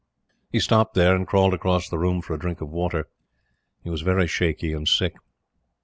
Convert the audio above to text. He stopped here, and crawled across the room for a drink of water. He was very shaky and sick.